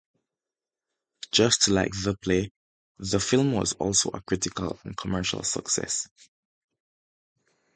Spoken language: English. Just like the play, the film was also a critical and commercial success.